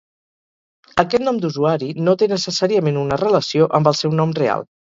Aquest nom d’usuari no té necessàriament una relació amb el seu nom real.